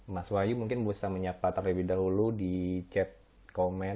mas wahyu mungkin bisa menyapa terlebih dahulu di chat comment